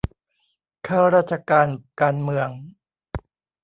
ข้าราชการการเมือง